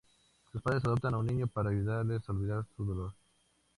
Sus padres adoptan un niño para ayudarles a olvidar su dolor.